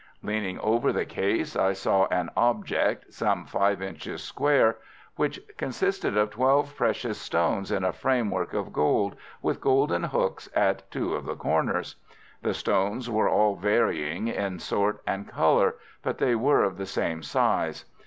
Leaning over the case I saw an object, some five inches square, which consisted of twelve precious stones in a framework of gold, with golden hooks at two of the corners. The stones were all varying in sort and colour, but they were of the same size.